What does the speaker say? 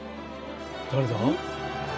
誰だ？